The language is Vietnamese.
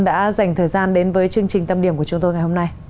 đã dành thời gian đến với chương trình tâm điểm của chúng tôi ngày hôm nay